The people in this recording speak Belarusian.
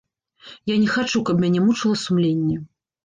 Я не хачу, каб мяне мучыла сумленне.